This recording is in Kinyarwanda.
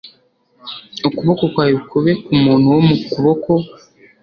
ukuboko kwawe kube ku muntu wo mu kuboko